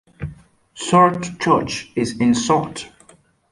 Surte Church is in Surte.